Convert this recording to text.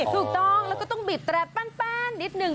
ถูกต้องแล้วก็ต้องบีบแตรแป้นนิดนึง